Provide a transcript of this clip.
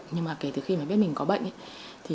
nhưng mà kể từ khi mà biết mình có bệnh ấy